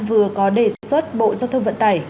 vừa có đề xuất bộ giao thông vận tải